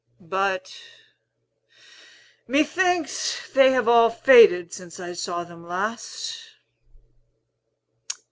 But, methinks, they have all faded since I saw them last."